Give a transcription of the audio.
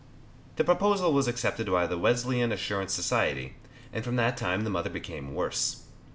The proposal was accepted by the Wesleyan Assurance Society, and from that time the mother became worse.